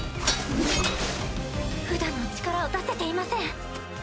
普段の力を出せていません。